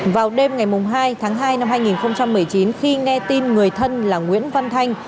vào đêm ngày hai tháng hai năm hai nghìn một mươi chín khi nghe tin người thân là nguyễn văn thanh